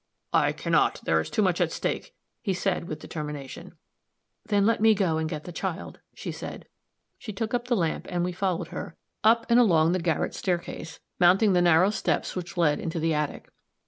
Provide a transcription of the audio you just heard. "I can not; there is too much at stake," he said, with determination. "Then let me go and get the child," she said. She took up the lamp and we followed her; up and along the garret staircase, mounting the narrow steps which led into the attic.